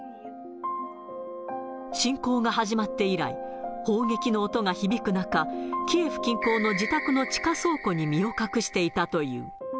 侵攻が始まって以来、砲撃の音が響く中、キエフ近郊の自宅の地下倉庫に身を隠していたという。